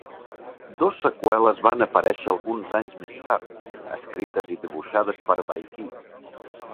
Dos seqüeles van aparèixer alguns anys més tard, escrites i dibuixades per Baikie.